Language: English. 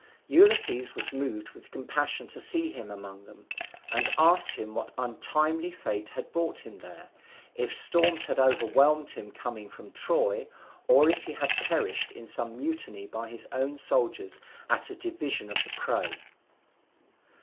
Ulysses was moved with compassion to see him among them, and asked him what untimely fate had brought him there, if storms had overwhelmed him coming from Troy, or if he had perished in some mutiny by his own soldiers at a division of the prey.